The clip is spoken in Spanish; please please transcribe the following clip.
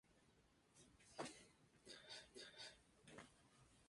Los muros son de mampostería regular y relleno de piedras y barro.